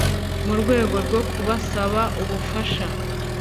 mu rwego rwo kubasaba ubufasha